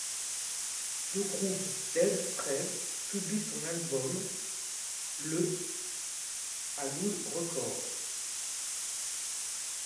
Le groupe dead prez publie son album ' le à Loud Records.